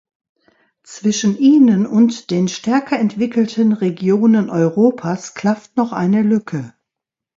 Zwischen ihnen und den stärker entwickelten Regionen Europas klafft noch eine Lücke.